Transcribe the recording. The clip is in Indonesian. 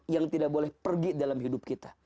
yang tidak boleh pergi dalam hidup kita